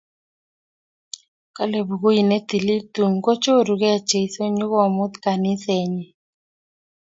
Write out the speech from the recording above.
Kale bukuit ne tilil tun kochorukei Jeso nyukomut kaniset nyi